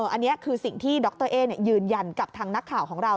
อันนี้คือสิ่งที่ดรเอ๊ยืนยันกับทางนักข่าวของเรา